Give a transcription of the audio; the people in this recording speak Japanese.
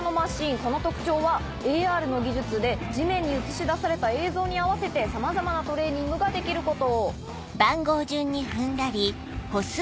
その特徴はＡＲの技術で地面に映し出された映像に合わせてさまざまトレーニングができること。